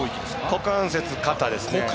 股関節と肩ですね。